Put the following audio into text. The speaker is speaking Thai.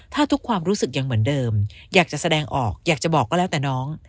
ถ้าทุกความรู้สึกยังเหมือนเดิมอยากจะแสดงออกอยากจะบอกก็แล้วแต่น้อง